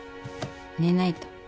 寝ないと。